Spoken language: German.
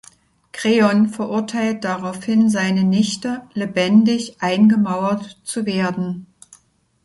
Kreon verurteilt daraufhin seine Nichte, lebendig eingemauert zu werden.